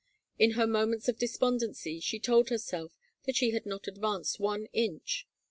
In her moments of despondency she told herself that she had not advanced one inch.